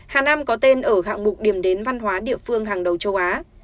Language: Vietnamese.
hà nam có tên ở hạng mục điểm đến văn hóa địa phương hàng đầu châu á